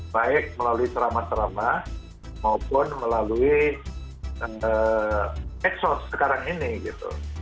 baik melalui ceramah ceramah maupun melalui medsos sekarang ini gitu